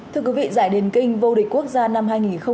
thưa quý vị giải đền kinh vô địch quốc gia năm hai nghìn hai mươi